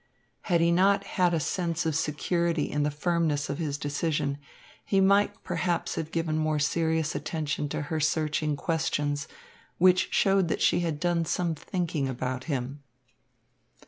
Had he not had a sense of security in the firmness of his decision, he might perhaps have given more serious attention to her searching questions, which showed that she had done some thinking about him.